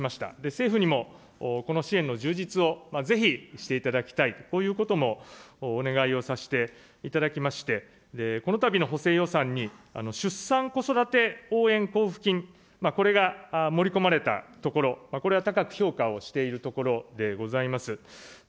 政府にもこの支援の充実をぜひしていただきたい、こういうこともお願いをさせていただきまして、このたびの補正予算に出産・子育て応援交付金、これが盛り込まれたところ、これは高く評価をしているところでございます。